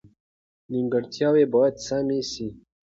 نیمګړتیاوې باید سمې شي.